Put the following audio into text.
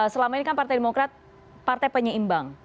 selama ini kan partai demokrat partai penyeimbang